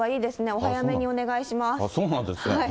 お早めにお願いします。